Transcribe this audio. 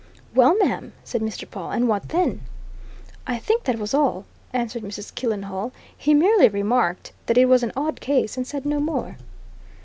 "Well, ma'am," said Mr. Pawle, "and what then?" "I think that was all," answered Mrs. Killenhall. "He merely remarked that it was an odd case, and said no more."